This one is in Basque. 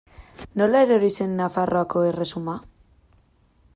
Nola erori zen Nafarroako erresuma?